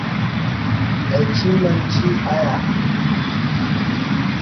اچی منچی ایہ